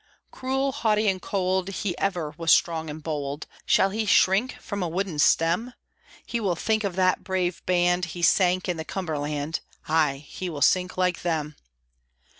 Cruel, haughty, and cold, He ever was strong and bold; Shall he shrink from a wooden stem? He will think of that brave band He sank in the Cumberland; Ay, he will sink like them.